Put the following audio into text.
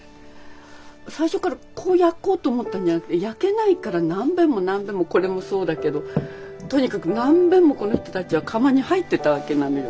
最初からこう焼こうと思ったんじゃなくて焼けないから何べんも何べんもこれもそうだけどとにかく何べんもこのひとたちは窯に入ってたわけなのよ。